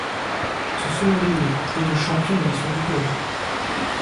Ce sont les et de champion de l'histoire du club.